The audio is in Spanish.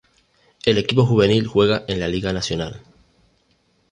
El equipo juvenil juega en Liga Nacional.